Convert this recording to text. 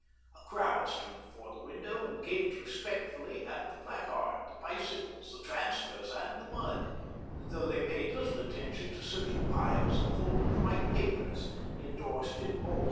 A crowd stood about the window and gaped respectfully at the placard, the bicycles, the transfers, and the mud, though they paid little attention to certain piles of folded white papers, endorsed in bold "AVALANCHE BICYCLE AND TYBE CO., LTD."